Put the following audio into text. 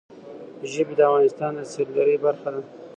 ژبې د افغانستان د سیلګرۍ برخه ده.